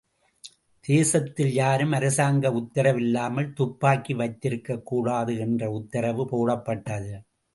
தேசத்தில் யாரும் அரசாங்க உத்தரவில்லாமல் துப்பாக்கி வைத்திருக்கக்கூடாது என்று உத்தரவு போடப்பட்டது.